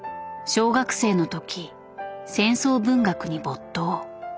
小学生の時戦争文学に没頭。